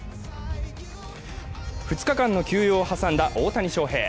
２日間の休養を挟んだ大谷翔平。